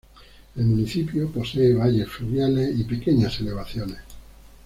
El municipio posee valles fluviales y pequeñas elevaciones.